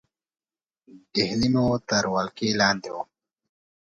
ډهلی مو تر ولکې لاندې وو.